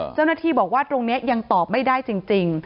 เจ้าหน้าที่บอกว่าตรงนี้ยังตอบไม่ได้จริง